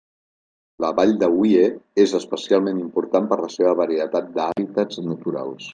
La Vall de Wye és especialment important per la seva varietat d'hàbitats naturals.